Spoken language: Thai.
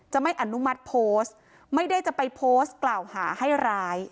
ไม่อนุมัติโพสต์ไม่ได้จะไปโพสต์กล่าวหาให้ร้าย